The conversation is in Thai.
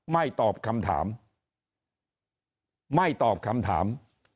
ไม่ตอบคำถามไม่ตอบคำถาม